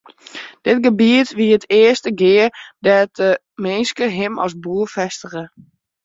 Dit gebiet wie it earste gea dêr't de minske him as boer fêstige.